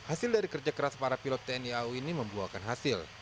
hasil dari kerja keras para pilot tni au ini membuahkan hasil